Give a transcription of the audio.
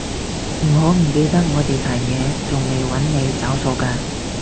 唔好唔記得我哋壇野仲未搵你找數㗎